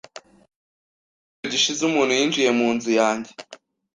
Mu cyumweru gishize, umuntu yinjiye mu nzu yanjye.